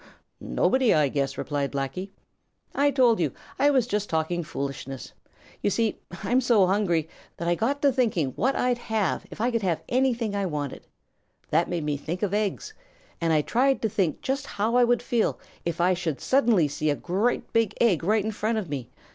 "Nobody, I guess," replied Blacky. "I told you I was just talking foolishness. You see, I'm so hungry that I just got to thinking what I'd have if I could have anything I wanted. That made me think of eggs, and I tried to think just how I would feel if I should suddenly see a great big egg right in front of me.